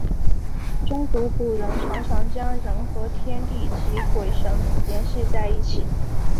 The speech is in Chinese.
中国古人常常将人和天地及鬼神联系在一起。